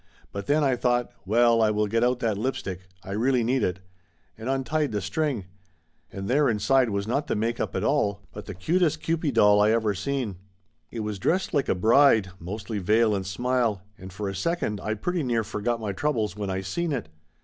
But then I thought, "Well, I will get out that lipstick; I really need it," and untied the string; and there inside was not the make up at all, but the cutiest Kewpie doll I ever seen. It was dressed like a bride, mostly veil and smile, and for a second I pretty near forgot my troubles when I seen it.